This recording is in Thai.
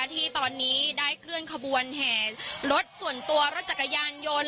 ที่ตอนนี้ได้เคลื่อนขบวนแห่รถส่วนตัวรถจักรยานยนต์